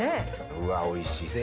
うわおいしそう。